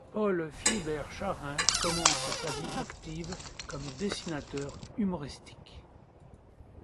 Paul Philibert-Charrin commence sa vie active comme dessinateur humoristique.